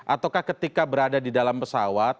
ataukah ketika berada di dalam pesawat